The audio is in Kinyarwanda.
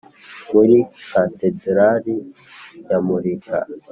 muri katedrali yamurika,